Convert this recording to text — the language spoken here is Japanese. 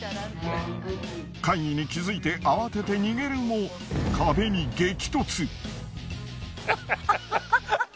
会議に気付いて慌てて逃げるも壁に激突。